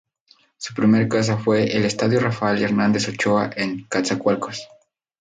Su primer casa fue el Estadio Rafael Hernández Ochoa en Coatzacoalcos.